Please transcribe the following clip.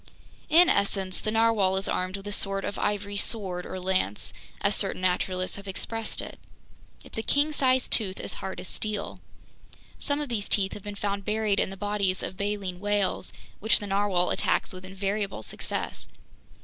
"In essence, the narwhale is armed with a sort of ivory sword, or lance, as certain naturalists have expressed it. It's a king sized tooth as hard as steel. Some of these teeth have been found buried in the bodies of baleen whales, which the narwhale attacks with invariable success.